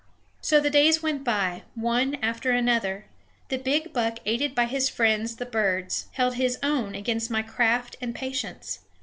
So the days went by, one after another; the big buck, aided by his friends the birds, held his own against my craft and patience.